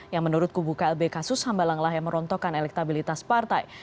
yang menurut kubu klb kasus hambalanglah yang merontokkan elektabilitas partai